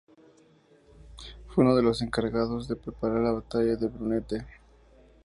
Fue uno de los encargados de preparar la Batalla de Brunete.